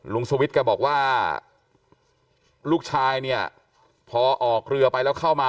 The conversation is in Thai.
สวิทย์แกบอกว่าลูกชายเนี่ยพอออกเรือไปแล้วเข้ามา